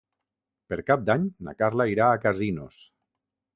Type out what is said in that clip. Per Cap d'Any na Carla irà a Casinos.